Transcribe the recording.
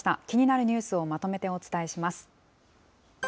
気になるニュースをまとめてお伝えします。